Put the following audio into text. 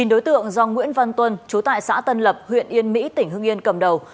chín đối tượng do nguyễn văn tuân chú tại xã tân lập huyện yên mỹ tỉnh hưng yên cầm đầu